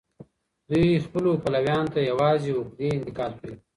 دوی خپلو پلويانو ته يوازې عقدې انتقال کړې.